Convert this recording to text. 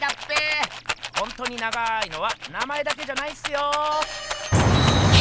ほんとに長いのは名前だけじゃないっすよ。